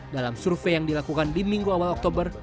dalam survei yang dilakukan di minggu awal oktober